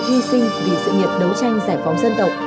hy sinh vì sự nghiệp đấu tranh giải phóng dân tộc